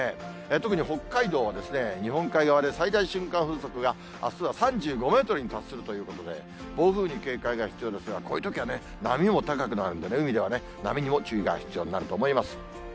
特に北海道は日本海側で最大瞬間風速が、あすは３５メートルに達するということで、暴風に警戒が必要ですが、こういうときはね、波も高くなるんでね、海ではね、波にも注意が必要になると思います。